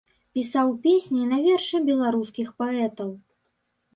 Пісаў песні на вершы беларускіх паэтаў.